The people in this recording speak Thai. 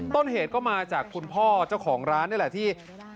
ต้นเหตุก็มาจากคุณพ่อเจ้าของร้านนี่แหละที่